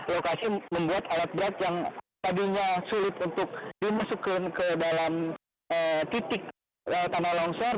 lokasi membuat alat berat yang tadinya sulit untuk dimasukkan ke dalam titik tanah longsor